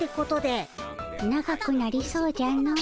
長くなりそうじゃの。